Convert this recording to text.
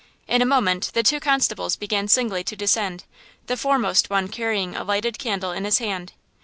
In a moment the two constables began singly to descend, the foremost one carrying a lighted candle in his hand.